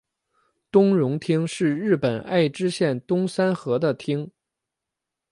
东荣町是日本爱知县东三河的町。